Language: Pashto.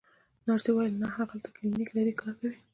نرسې وویل: نه، هغه هلته کلینیک لري، کار کوي.